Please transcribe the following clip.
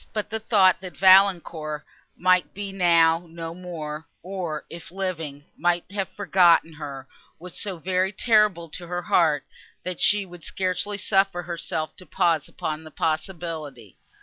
But the thought that Valancourt might be now no more, or, if living, might have forgotten her, was so very terrible to her heart, that she would scarcely suffer herself to pause upon the possibility.